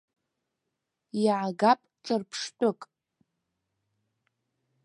Иаагап ҿырԥштәык.